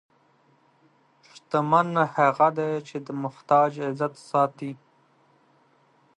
شتمن هغه دی چې د محتاج عزت ساتي.